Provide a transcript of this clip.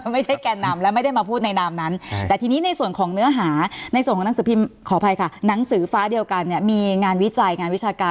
ไม่ใช่แก่นำและไม่ได้มาพูดในนำนั้นแต่ทีนี้ในส่วนของเนื้อหา